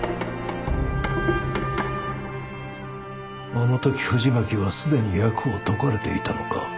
あの時藤巻は既に役を解かれていたのか。